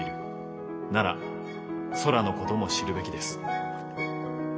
なら空のことも知るべきです。